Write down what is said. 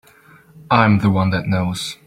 I'm the one that knows.